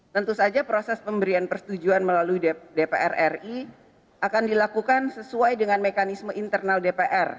tentu saja proses pemberian persetujuan melalui dpr ri akan dilakukan sesuai dengan mekanisme internal dpr